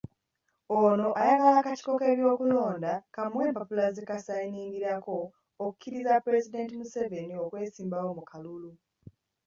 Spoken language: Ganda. Ono ayagala akakiiko k’ebyokulonda kamuwe empapula ze kasinziirako okukkiriza Pulezidenti Museveni okwesimbawo mu kalulu.